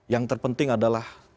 yang terpenting adalah